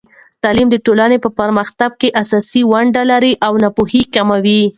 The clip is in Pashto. تعلیم د ټولنې په پرمختګ کې اساسي ونډه لري او ناپوهي کموي.